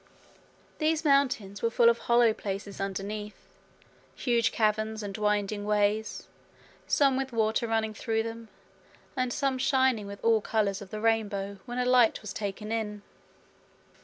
These mountains were full of hollow places underneath; huge caverns, and winding ways, some with water running through them, and some shining with all colours of the rainbow when a light was taken in.